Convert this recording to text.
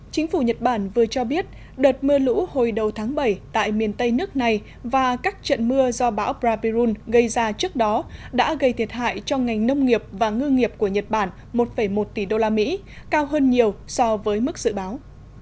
chính phủ nhật bản vừa cho biết đợt mưa lũ hồi đầu tháng bảy tại miền tây nước này và các trận mưa do bão braviron gây ra trước đó đã gây thiệt hại cho ngành nông nghiệp và ngư nghiệp của nhật bản một một tỷ usd cao hơn nhiều so với mức dự báo